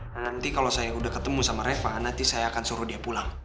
nanti kalau saya udah ketemu sama reva nanti saya akan suruh dia pulang